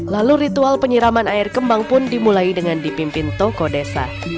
lalu ritual penyiraman air kembang pun dimulai dengan dipimpin toko desa